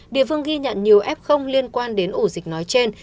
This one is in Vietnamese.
địa phương ghi nhận nhiều f liên quan đến ổ dịch nói trên